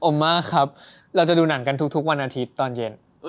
มาครับเราจะดูหนังกันทุกวันอาทิตย์ตอนเย็น